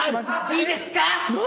いいですか？